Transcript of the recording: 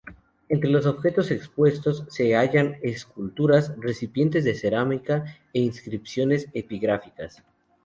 Entre los objetos expuestos se hallan esculturas, recipientes de cerámica e inscripciones epigráficas.